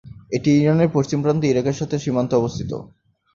এটি ইরানের পশ্চিম প্রান্তে ইরাকের সাথে সীমান্তে অবস্থিত।